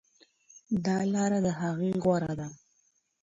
دا لاره له هغې غوره ده.